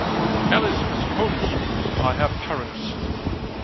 Ellis was homeschooled by her parents.